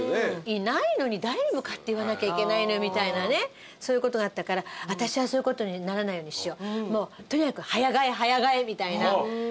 いないのに誰に向かって言わなきゃいけないのみたいなねそういうことがあったから「私はそういうことにならないようにしよう」とにかく早替え早替えみたいな。